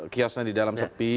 kiosnya di dalam sepi